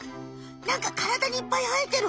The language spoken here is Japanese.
なんかからだにいっぱいはえてる。